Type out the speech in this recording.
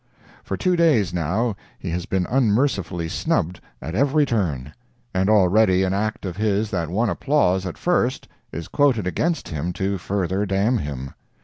For two days, now, he has been unmercifully snubbed at every turn, and already an act of his that won applause at first is quoted against him to further damn him.